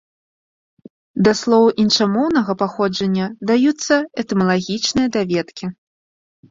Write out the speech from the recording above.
Да слоў іншамоўнага паходжання даюцца этымалагічныя даведкі.